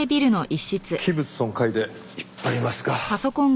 器物損壊で引っ張りますか。